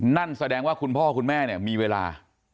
นั่นแสดงว่าคุณพ่อคุณแม่เนี่ยมีเวลา